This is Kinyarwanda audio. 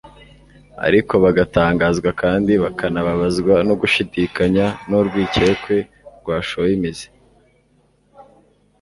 ariko bagatangazwa kandi bakanababazwa n'ugushidikanya n'urwikekwe rwashoye imizi,